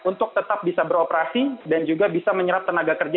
untuk tetap bisa beroperasi dan juga bisa menyerap tenaga kerja